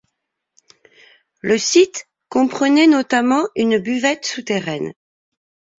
Le site comprenait notamment une buvette souterraine.